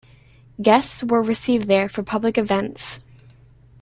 Guests were received there for public events.